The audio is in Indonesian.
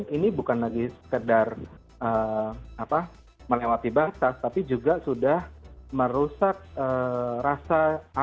ini bukan lagi sekedar melewati bahasa